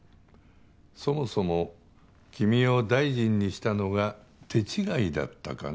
そもそも君を大臣にしたのが手違いだったかな？